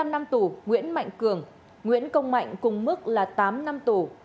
một mươi năm năm tù nguyễn mạnh cường nguyễn công mạnh cùng mức là tám năm tù